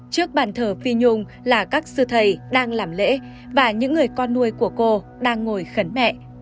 trước bàn thờ phi nhung là các sư thầy đang làm lễ và những người con nuôi của cô đang ngồi khấn mẹ